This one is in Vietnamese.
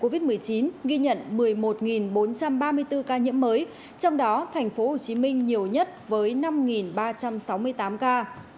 covid một mươi chín ghi nhận một mươi một bốn trăm ba mươi bốn ca nhiễm mới trong đó thành phố hồ chí minh nhiều nhất với năm ba trăm sáu mươi tám ca